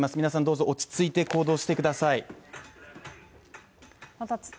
皆さんどうぞ落ち着いて行動してください。